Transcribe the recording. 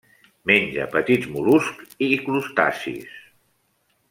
Menja petits mol·luscs i crustacis.